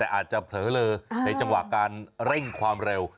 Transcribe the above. แต่อาจจะเผลอเลอในจังหวะการเร่งความเร็ว